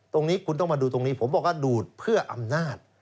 ตรงนี้คุณต้องมาดูตรงนี้ผมบอกว่าดูดเพื่ออำนาจ